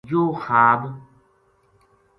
یوہ خواب